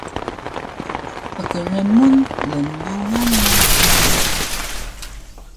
Pkrmun lnglungan mu uri